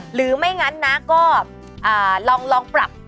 หรือไม่งั้นนะก็ลองปรับ